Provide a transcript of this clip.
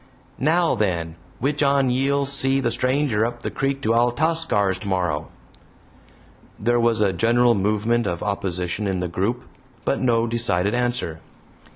"Now, then, which on ye'll see the stranger up the creek to Altascar's, tomorrow?" There was a general movement of opposition in the group, but no decided answer.